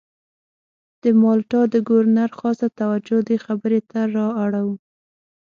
د مالټا د ګورنر خاصه توجه دې خبرې ته را اړوو.